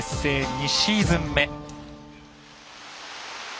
２シーズン目。